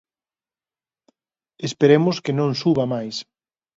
Esperemos que non suba máis.